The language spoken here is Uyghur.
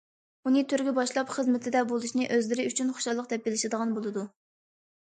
ئۇنى تۆرگە باشلاپ، خىزمىتىدە بولۇشنى ئۆزلىرى ئۈچۈن خۇشاللىق دەپ بىلىشىدىغان بولىدۇ!